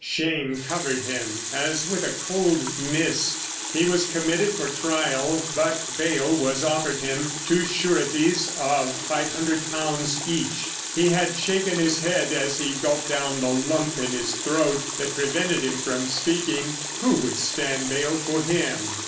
Shame covered him as with a cold mist. He was committed for trial, but bail was offered him, two sureties of £500 each. He had shaken his head as he gulped down the lump in his throat that prevented him speaking. Who would stand bail for him?